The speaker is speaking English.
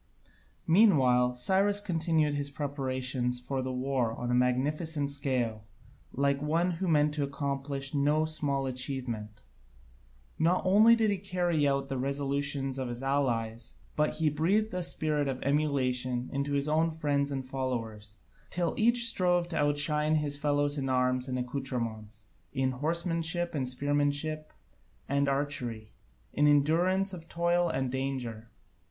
Meanwhile Cyrus continued his preparations for the war on a magnificent scale, like one who meant to accomplish no small achievement. Not only did he carry out all the resolutions of the allies, but he breathed a spirit of emulation into his own friends and followers, till each strove to outshine his fellows in arms and accoutrements, in horsemanship and spearmanship and archery, in endurance of toil and danger.